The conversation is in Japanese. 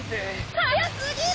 早すぎる！